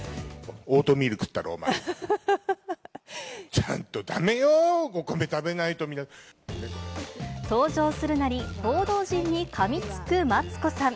ちゃんと、だめよ、お米食べない登場するなり、報道陣にかみつくマツコさん。